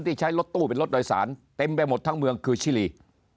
ใช้รถตู้เป็นรถโดยสารเต็มไปหมดทั้งเมืองคือชิลี